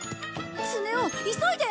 スネ夫急いで！